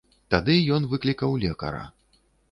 Тады ён выклікаў лекара.